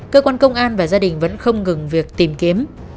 cơ quan công an và gia đình vẫn không ngừng việc tìm kiếm